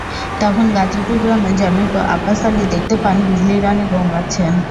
তখন গাজীপুর গ্রামের জনৈক আব্বাস আলী দেখতে পান বিজলী রানী গোঙাচ্ছেন।